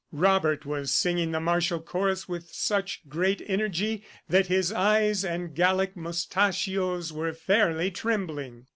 Robert was singing the martial chorus with such great energy that his eyes and Gallic moustachios were fairly trembling.